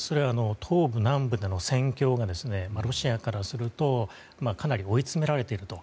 東部、南部の戦況がロシアからするとかなり追い詰められていると。